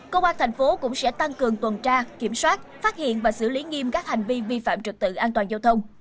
công an thành phố cũng sẽ tăng cường tuần tra kiểm soát phát hiện và xử lý nghiêm các hành vi vi phạm trực tự an toàn giao thông